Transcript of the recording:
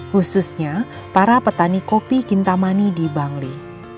khususnya para petani kopi kintamani di bangli